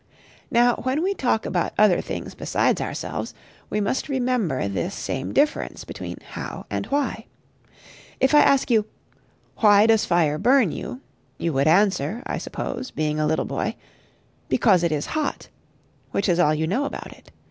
Now when we talk about other things beside ourselves, we must remember this same difference between How and Why. If I ask you, "Why does fire burn you?" you would answer, I suppose, being a little boy, "Because it is hot;" which is all you know about it.